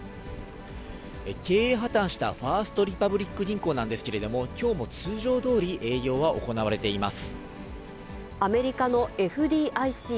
経営破綻したファースト・リパブリック銀行なんですけれども、きょうも通常どおり営業は行われています。